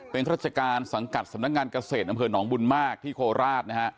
เป็นรัชการสังกัดสำนักงานเกษตรบุญมากพี่โคราชศี